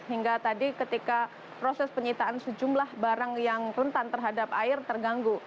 hingga tadi ketika proses penyitaan sejumlah barang yang rentan terhadap air terganggu